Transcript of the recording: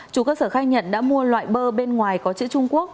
chủ cơ sở khai nhận đã mua loại bơ bên ngoài có chữ trung quốc